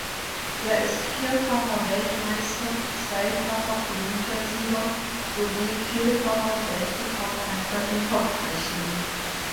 Er ist vierfacher Weltmeister, zweifacher Olympiasieger sowie vielfacher Weltrekordhalter im Kopfrechnen.